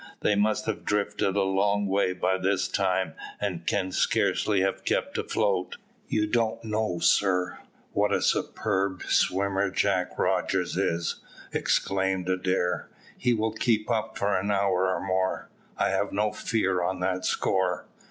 "They must have drifted a long way by this time, and can scarcely have kept afloat." "You don't know, sir, what a superb swimmer Jack Rogers is," exclaimed Adair: "he will keep up for an hour or more; I have no fear on that score.